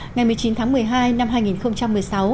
ngày một mươi chín tháng một mươi hai năm hai nghìn một mươi sáu